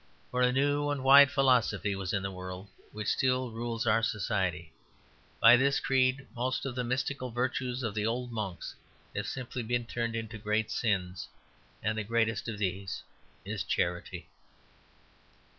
For a new and wide philosophy was in the world, which still rules our society. By this creed most of the mystical virtues of the old monks have simply been turned into great sins; and the greatest of these is charity.